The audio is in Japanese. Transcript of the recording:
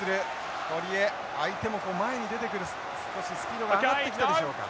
相手も前に出てくる少しスピードが上がってきたでしょうか。